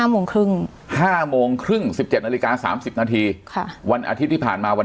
โมงครึ่ง๕โมงครึ่ง๑๗นาฬิกา๓๐นาทีวันอาทิตย์ที่ผ่านมาวัน